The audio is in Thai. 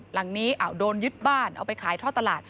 หลังนี้โดนยึดบ้านเอาไปขายท่อตลาด